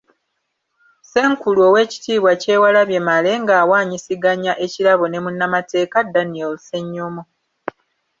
Ssenkulu Oweekitiibwa Kyewalabye Male ng’awaanyisiganya ekirabo ne munnamateeka Daniel Ssenyomo.